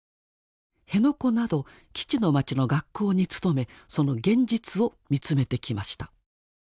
辺野古など基地の町の学校に勤めその現実を見つめてきました。